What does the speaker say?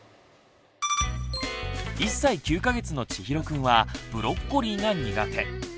１歳９か月のちひろくんはブロッコリーが苦手。